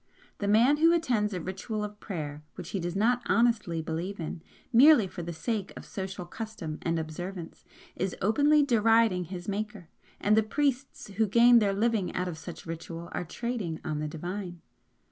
The man who attends a ritual of prayer which he does not honestly believe in, merely for the sake of social custom and observance, is openly deriding his Maker and the priests who gain their living out of such ritual are trading on the Divine.